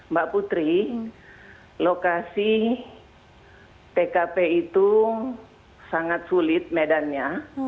mbak putri lokasi tkp itu sangat sulit medannya